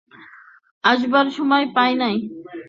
আসবার সময় পাই না।